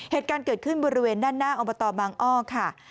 เหตุการณ์เกิดขึ้นบริเวณด้านหน้าอบตบางอ้อค่ะ